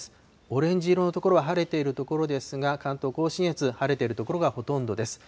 オレンジ色の所は晴れている所ですが、関東甲信越、晴れている所がほとんどです。